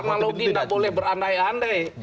kalau tidak boleh berandai andai